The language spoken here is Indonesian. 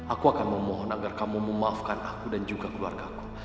aku akan memohon agar kamu memaafkan aku dan juga keluargaku